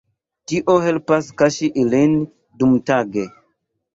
Tio helpas kaŝi ilin dumtage.